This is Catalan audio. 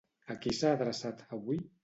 A qui s'ha adreçat avui?